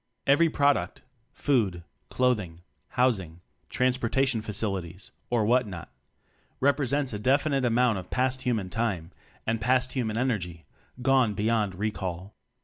Every product (food, clothing, housing, transporta tion facilities, or what not), represents a definite amount of past human time and past human energy gone beyond recall.